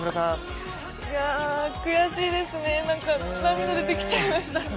悔しいですね、涙、出てきちゃいました。